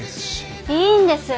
いいんです！